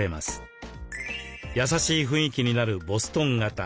やさしい雰囲気になるボストン型。